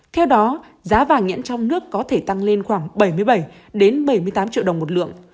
theo đó giá vàng nhẫn trong nước có thể tăng lên khoảng bảy mươi bảy bảy mươi tám triệu đồng một lượng